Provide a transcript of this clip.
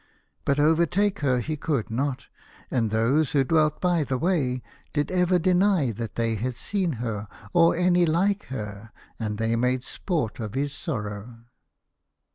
But overtake her he could not, and those who dwelt by the way did ever deny that they had seen her, or any like to her, and they made sport of his sorrow.